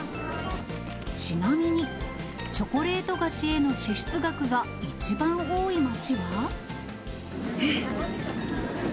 ちなみに、チョコレート菓子への支出額が一番多い街は？え？